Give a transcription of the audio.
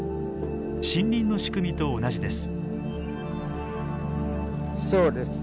森林の仕組みと同じです。